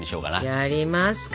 やりますか？